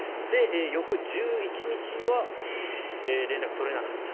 翌１１日には連絡が取れなかった。